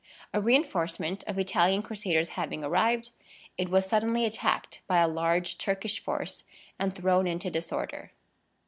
A reinforcement of Italian Crusaders having arrived, it was suddenly attacked by a large Turkish force, and thrown into disorder.